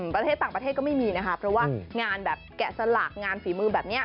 ประเทศต่างประเทศก็ไม่มีนะคะเพราะว่างานแบบแกะสลักงานฝีมือแบบนี้